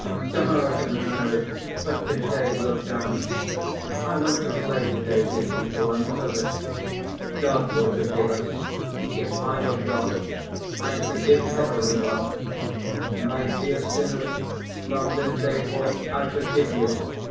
To‐morrow to the nunnery, but to‐day we'll dance. I want to play to‐day, good people, and what of it? God will forgive us. If I were God, I'd forgive every one: 'My dear sinners, from this day forth I forgive you.